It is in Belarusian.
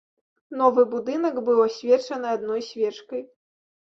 Новы будынак быў асвечаны адной свечкай.